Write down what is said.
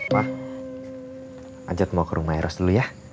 wah ajak mau ke rumah eros dulu ya